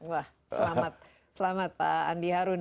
wah selamat pak andi harun